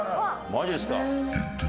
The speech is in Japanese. マジですか？